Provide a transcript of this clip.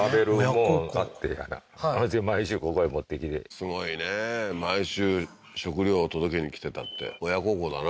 すごいね毎週食糧を届けにきてたって親孝行だな